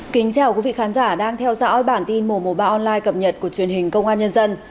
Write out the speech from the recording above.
kính chào quý vị khán giả đang theo dõi bản tin mùa mùa ba online cập nhật của truyền hình công an nhân dân